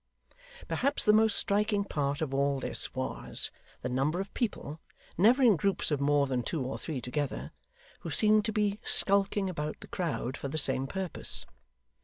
Perhaps the most striking part of all this was, the number of people never in groups of more than two or three together who seemed to be skulking about the crowd for the same purpose.